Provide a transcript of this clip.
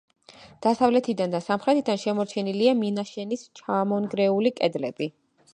დასავლეთიდან და სამხრეთიდან შემორჩენილია მინაშენის ჩამონგრეული კედლები.